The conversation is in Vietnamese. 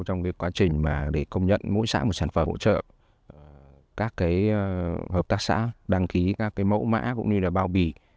trong quá trình để công nhận mỗi xã một sản phẩm hỗ trợ các hợp tác xã đăng ký các mẫu mã cũng như là bao bì